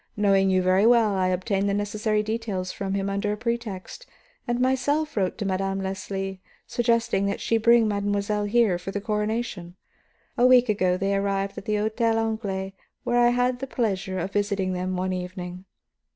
Knowing you very well, I obtained the necessary details from him under a pretext, and myself wrote to Madame Leslie suggesting that she bring mademoiselle here for the coronation. A week ago they arrived at the Hôtel Anglais, where I had the pleasure of visiting them one evening."